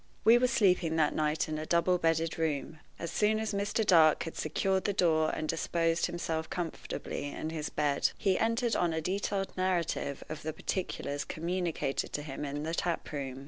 We were sleeping that night in a double bedded room. As soon as Mr. Dark had secured the door and disposed himself comfortably in his bed, he entered on a detailed narrative of the particulars communicated to him in the tap room.